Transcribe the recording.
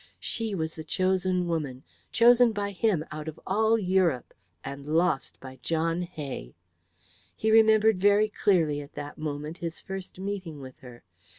She was the chosen woman, chosen by him out of all Europe and lost by John Hay! He remembered very clearly at that moment his first meeting with her.